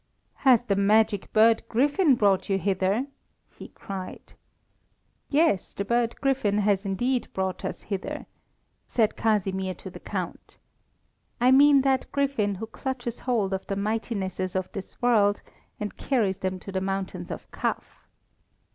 "Has the magic bird griffin brought you hither?" he cried. "Yes, the bird griffin has indeed brought us hither," said Casimir to the Count. "I mean that griffin who clutches hold of the mightinesses of this world and carries them to the mountains of Kaf."